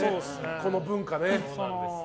この文化。